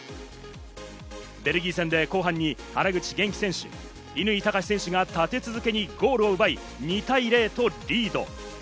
ベルギー戦で後半に原口元気選手、乾貴士選手が立て続けにゴールを奪い、２対０とリード。